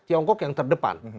tiongkok yang terdepan